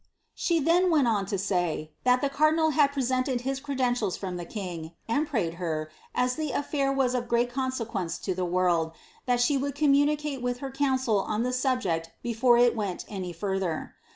"^ She then went on to say, that the car diral had presented his credentials from the king, and prayed her, as the a&ir was of great consequence to the world, that she would communi cate with her council on the subject before it went any further.